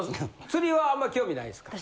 釣りはあんまり興味ないんですか？